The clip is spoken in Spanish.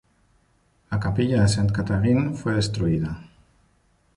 La capilla de Sainte-Catherine fue destruida.